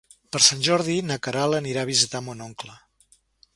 Per Sant Jordi na Queralt anirà a visitar mon oncle.